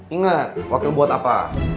ingat wakil buat apa